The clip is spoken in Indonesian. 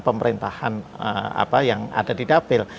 pemerintahan yang ada di dapil